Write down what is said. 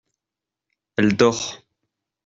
Elle dort.